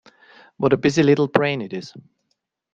What a busy little brain it is.